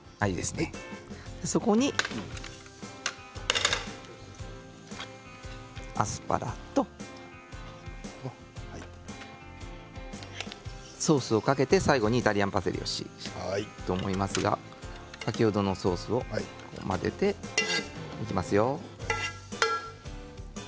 そこにアスパラとソースをかけて最後にイタリアンパセリと思いますが先ほどのソースを混ぜていきますよ。